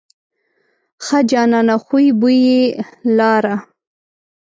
ښه جانانه خوی بوی یې لاره.